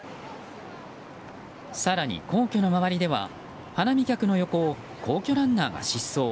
更に、皇居の周りでは花見客の横を皇居ランナーが疾走。